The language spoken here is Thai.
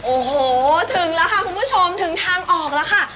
โอ้โหถึงแล้วค่ะคุณผู้ชมถึงทางออกแล้วค่ะ